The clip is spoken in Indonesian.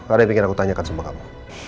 ada yang bikin aku tanyakan sama kamu